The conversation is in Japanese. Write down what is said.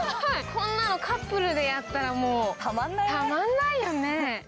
こんなのカップルでやったら、たまんないよね。